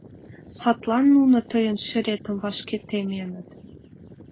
Садлан нуно тыйын шеретым вашке теменыт.